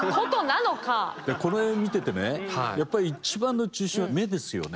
この絵見ててねやっぱり一番の中心は目ですよね。